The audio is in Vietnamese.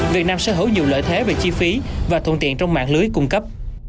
việt nam sở hữu nhiều lợi thế về chi phí và thuận tiện trong mạng lưới cung cấp